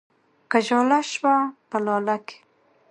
که ژاله شوه په لاله کې